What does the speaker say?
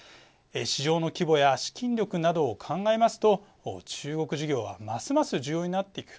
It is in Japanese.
市場の規模や資金力などを考えますと中国事業はますます重要になっていく。